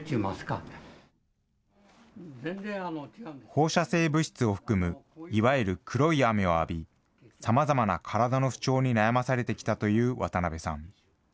放射性物質を含む、いわゆる黒い雨を浴び、さまざまな体の不調に悩まされてきたという渡邊さん。